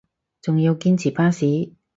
仲要堅持巴士